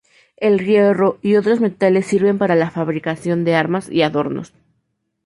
El hierro y otros metales sirven para la fabricación de armas y adornos.